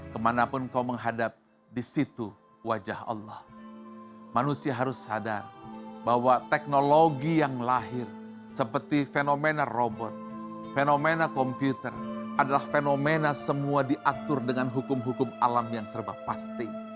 kemanapun kau menghadap di situ wajah allah manusia harus sadar bahwa teknologi yang lahir seperti fenomena robot fenomena komputer adalah fenomena semua diatur dengan hukum hukum alam yang serba pasti